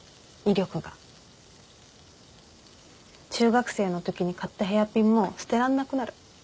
中学生のときに買ったヘアピンも捨てらんなくなる。